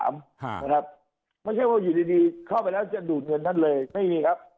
ไม่ใช่ว่าอยู่ดีเข้าไปแล้วจะดูดเงินท่านเลยไม่มีครับ